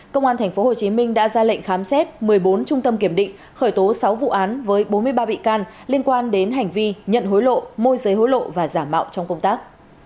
công an tp hcm đã ra lệnh khám xét một mươi bốn trung tâm kiểm định khởi tố sáu vụ án với bốn mươi ba bị can liên quan đến hành vi nhận hối lộ môi giới hối lộ và giả mạo trong công tác